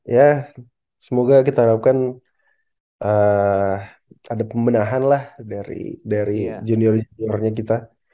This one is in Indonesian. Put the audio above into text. ya semoga kita harapkan ada pembenahan lah dari junior juniornya kita